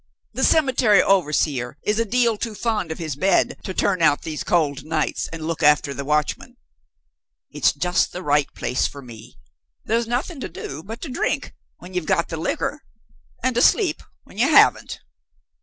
The cemetery overseer is a deal too fond of his bed to turn out these cold nights and look after the watchman. It's just the right place for me. There's nothing to do but to drink, when you have got the liquor; and to sleep, when you haven't.